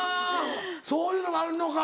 そういうのがあるのか。